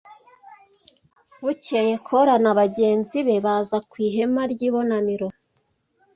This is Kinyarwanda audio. Bukeye Kora na bagenzi be baza ku ihema ry’ibonaniro.